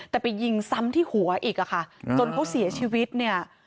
แต่ไปยิงซ้ำที่หัวอีกอะค่ะจนเขาเสียชีวิตเนี่ย